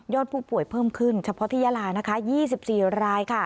ผู้ป่วยเพิ่มขึ้นเฉพาะที่ยาลานะคะ๒๔ราย